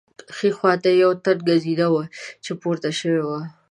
ښي خوا ته یوه تنګه زینه وه چې پورته شوې وه.